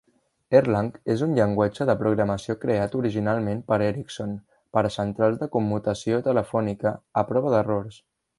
Erlang és un llenguatge de programació creat originalment per Ericsson per a centrals de commutació telefònica a prova d'errors.